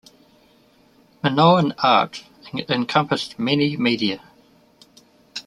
Minoan art encompassed many media.